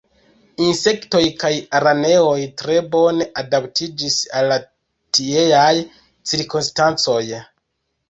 Insektoj kaj araneoj tre bone adaptiĝis al la tieaj cirkonstancoj.